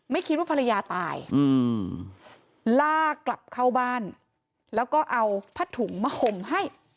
คิดว่าภรรยาตายลากกลับเข้าบ้านแล้วก็เอาผ้าถุงมาห่มให้